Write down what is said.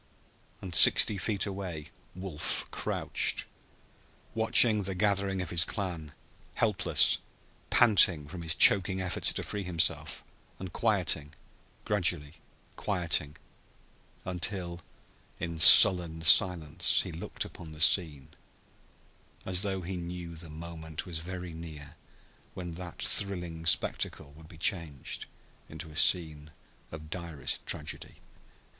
And sixty feet away Wolf crouched, watching the gathering of his clan, helpless, panting from his choking efforts to free himself, and quieting, gradually quieting, until in sullen silence he looked upon the scene, as though he knew the moment was very near when that thrilling spectacle would be changed into a scene of direst tragedy.